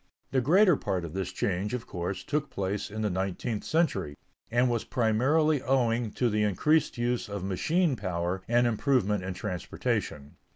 The greater part of this change, of course, took place in the nineteenth century, and was primarily owing to the increased use of machine power and improvement in transportation.